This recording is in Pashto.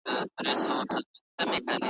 ته یې سل ځله لمبه کړه زه به بل درته لیکمه ,